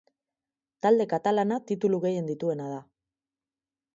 Talde katalana titulu gehien dituena da.